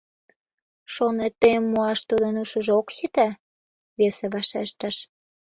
— Шонет, тыйым муаш тудын ушыжо ок сите, — весе вашештыш.